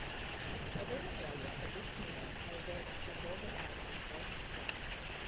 Other regalia of this kingdom are veiled from vulgar eyes in bark-cloth.